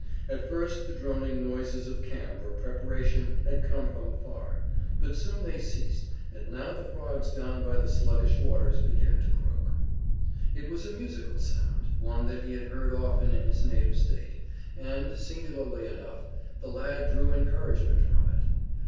At first the droning noises of camp or preparation had come from afar, but soon they ceased and now the frogs down by the sluggish waters began to croak. It was a musical sound, one that he had heard often in his native state, and, singularly enough, the lad drew encouragement from it.